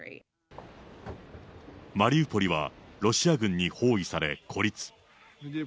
マリウポリはロシア軍に包囲され、孤立。